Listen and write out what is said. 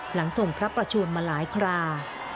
หลังส่งพระประชวนมาหลายครา